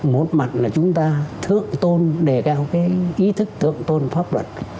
một mặt là chúng ta thượng tôn đề cao cái ý thức thượng tôn pháp luật